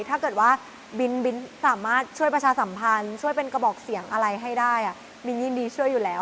ถ้าเกิดว่าบินสามารถช่วยประชาสัมพันธ์ช่วยเป็นกระบอกเสียงอะไรให้ได้บินยินดีช่วยอยู่แล้ว